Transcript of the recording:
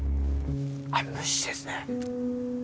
あれ無視ですね。